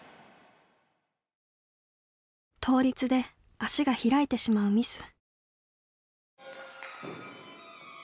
倒立で足が開いてしまうミス。